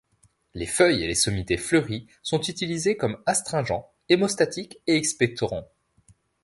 Les feuilles et les sommités fleuries sont utilisées comme astringent, hémostatique et expectorant.